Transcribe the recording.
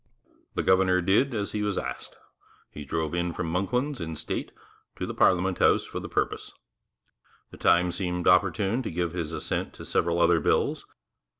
The governor did as he was asked. He drove in from 'Monklands' in state to the Parliament House for the purpose. The time seemed opportune to give his assent to several other bills.